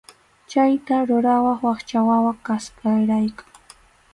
Chayta rurawaq wakcha wawa kasqayrayku.